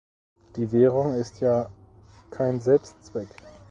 Die Währung ist ja kein Selbstzweck.